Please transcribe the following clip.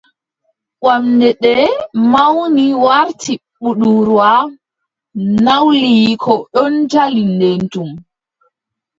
Wamnde nde mawni warti budurwa. Nawliiko ɗon jali nde tum.